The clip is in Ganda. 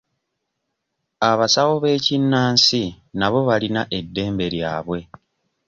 Abasawo b'ekinnansi nabo balina eddembe lyabwe.